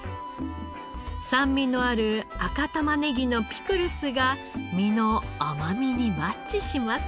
酸味のある赤タマネギのピクルスが身の甘みにマッチします。